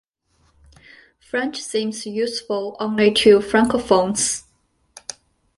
French seems useful only to francophones.